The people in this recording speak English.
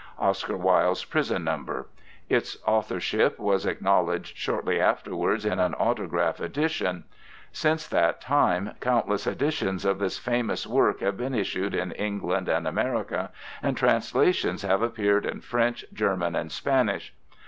Oscar Wilde's prison number. Its authorship was acknowledged shortly afterwards in an autograph edition. Since that time countless editions of this famous work have been issued in England and America, and translations have appeared in French, German and Spanish.